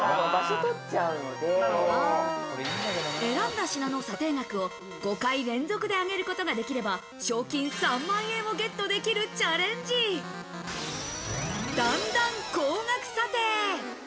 選んだ品の査定額を５回連続であげることができれば賞金３万円をゲットできるチャレンジ、だんだん高額査定。